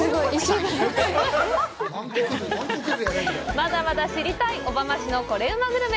まだまだ知りたい小浜市のコレうまグルメ！